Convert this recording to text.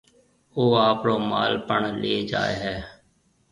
او آپرو مال پڻ ليَ جائيَ ھيََََ